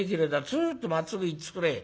ツーッとまっすぐ行っつくれ」。